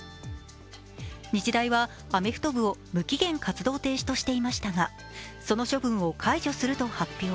日大はアメフト部を無期限活動停止としていましたが、その処分を解除すると発表。